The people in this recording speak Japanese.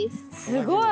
すごい！